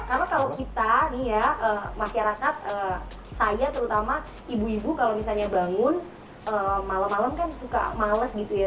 karena kalau kita nih ya masyarakat saya terutama ibu ibu kalau misalnya bangun malem malem kan suka males gitu ya